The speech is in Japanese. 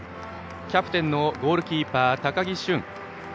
キャプテンのゴールキーパー、高木駿。